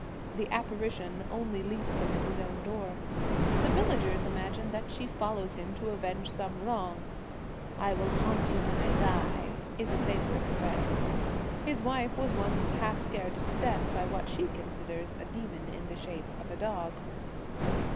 The apparition only leaves him at his own door. The villagers imagine that she follows him to avenge some wrong. 1 I will haunt you when I die ' is a favourite threat. His wife was once half scared to death by what she considers a demon in the shape of a dog.